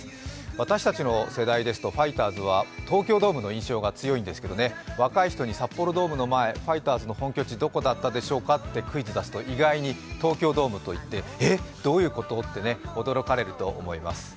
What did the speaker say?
私たちの世代ですとファイターズは東京ドームの印象が強いんですけどね、若い人に札幌ドームの前、ファイターズの本拠地はどこだったでしょうとクイズを出すと意外に、東京ドームといってえっどういうことって驚かれると思います。